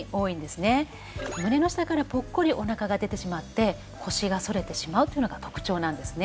胸の下からポッコリお腹が出てしまって腰が反れてしまうというのが特徴なんですね。